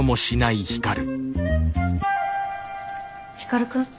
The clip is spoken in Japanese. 光くん？